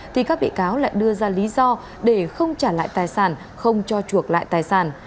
thì các bị cáo lại đưa ra lý do để không trả lại tài sản không cho chuộc lại tài sản